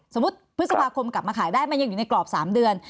พฤษภาคมกลับมาขายได้มันยังอยู่ในกรอบ๓เดือน